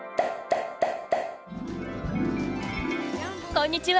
こんにちは。